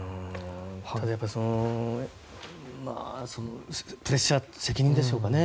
ただ、プレッシャー責任でしょうかね